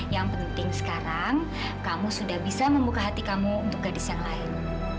yang penting sekarang kamu sudah bisa membuka hati kamu untuk gadis yang lain